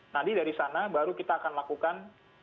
nanti dari sana baru kita akan lakukan